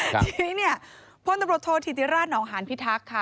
ทีนี้เนี่ยพลตำรวจโทษธิติราชนองหานพิทักษ์ค่ะ